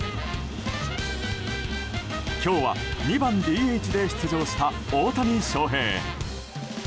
今日は２番ＤＨで出場した大谷翔平。